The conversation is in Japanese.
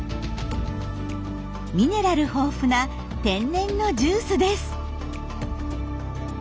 ミネラル豊富な天然のジュースです。